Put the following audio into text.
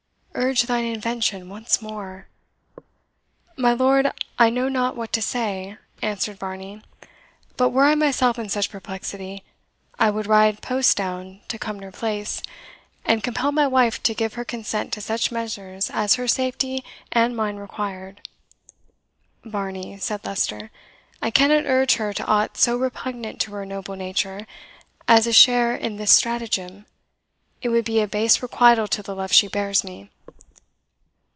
Urge thine invention once more." "My lord, I know not what to say," answered Varney; "but were I myself in such perplexity, I would ride post down to Cumnor Place, and compel my wife to give her consent to such measures as her safety and mine required." "Varney," said Leicester, "I cannot urge her to aught so repugnant to her noble nature as a share in this stratagem; it would be a base requital to the love she bears me."